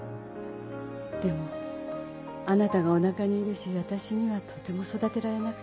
でもあなたがお腹にいるし私にはとても育てられなくて。